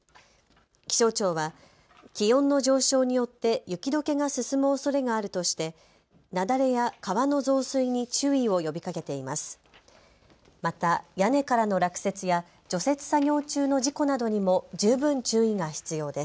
気象庁は気温の上昇によって雪どけが進むおそれがあるとして雪崩や川の増水に注意を呼びかけています。